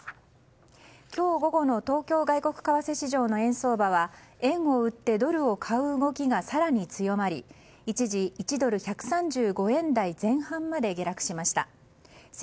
今日午後の東京外国為替市場の円相場は円を売ってドルを買う動きが更に強まり一時１ドル＝１３５円台前半まで下落しました。